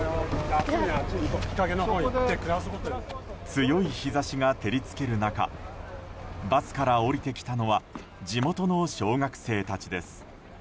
強い日差しが照り付ける中バスから降りてきたのは地元の小学生たちです。